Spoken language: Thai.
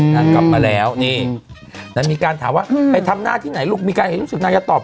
กลับมาแล้วนี่นางมีการถามว่าไปทำหน้าที่ไหนลูกมีการเห็นรู้สึกนางจะตอบ